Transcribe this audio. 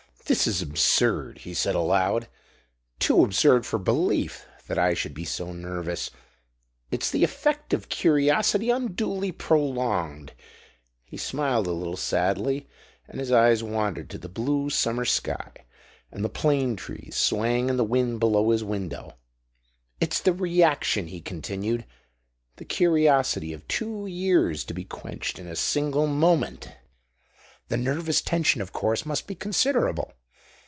"This is absurd," he said aloud; "too absurd for belief that I should be so nervous! It's the effect of curiosity unduly prolonged." He smiled a little sadly and his eyes wandered to the blue summer sky and the plane trees swaying in the wind below his window. "It's the reaction," he continued. "The curiosity of two years to be quenched in a single moment! The nervous tension, of course, must be considerable."